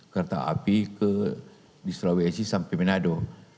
kereta api di sulawesi sampai manado